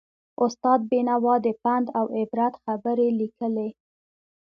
استاد بینوا د پند او عبرت خبرې لیکلې.